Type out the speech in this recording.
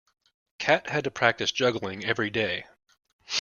Cat had to practise juggling every day.